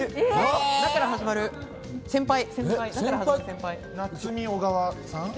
「な」から始まる先輩。